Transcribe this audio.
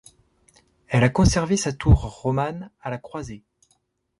Elle a conservé sa tour romane à la croisée.